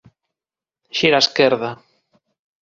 Xira á esquerda